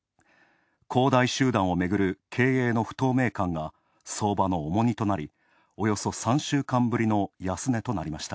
恒大集団をめぐる経営の不透明感が相場の重荷となりおよそ３週間ぶりの安値となりました。